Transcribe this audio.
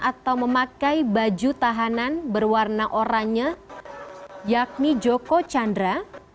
atau memakai baju tahanan berwarna oranye yakni joko chandra